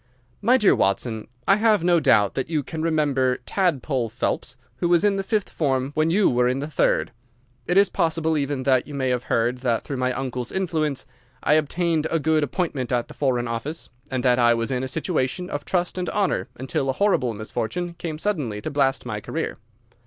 My dear Watson,—I have no doubt that you can remember "Tadpole" Phelps, who was in the fifth form when you were in the third. It is possible even that you may have heard that through my uncle's influence I obtained a good appointment at the Foreign Office, and that I was in a situation of trust and honour until a horrible misfortune came suddenly to blast my career.